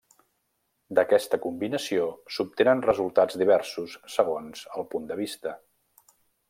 D'aquesta combinació, s'obtenen resultats diversos segons el punt de vista.